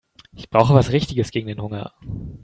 Ich brauche was Richtiges gegen den Hunger.